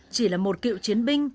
chỉ là một cựu chiến binh